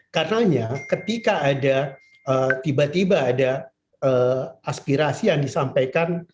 karena ketika ada tiba tiba ada aspirasi yang disampaikan